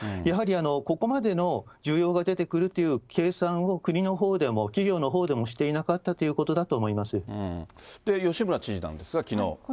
やはりここまでの需要が出てくるという計算を、国のほうでも企業のほうでもしていなかったということだと思いま吉村知事なんですが、きのう。